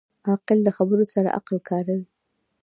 عاقل د خبرو سره عقل کاروي.